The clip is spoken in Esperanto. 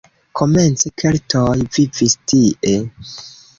Komence keltoj vivis tie.